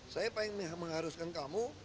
saya paling mengharuskan kamu